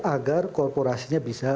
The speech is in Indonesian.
agar korporasinya bisa